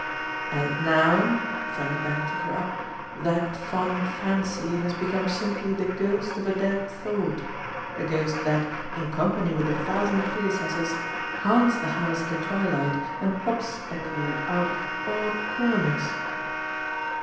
"And now" Vanderbank took her up "that fond fancy has become simply the ghost of a dead thought, a ghost that, in company with a thousand predecessors, haunts the house in the twilight and pops at you out of odd corners."